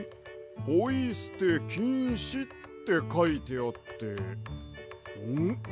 「ポイすてきんし」ってかいてあってんっ？